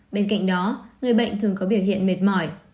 bên cạnh đó người bệnh thường có biểu hiện mệt mỏi